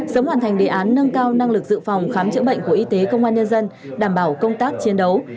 sớm hoàn thành đề án nâng cao năng lực dự phòng khám chữa bệnh của y tế công an nhân dân đảm bảo công tác chiến đấu